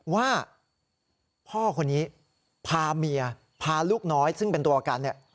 ว่าพ่อคนนี้พาเมียพาลูกน้อยซึ่งเป็นตัวประกันเนี่ย